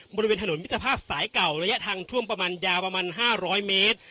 บริเวณถนนมิตรภาพสายเก่าระยะทางท่วมประมาณยาวประมาณ๕๐๐เมตร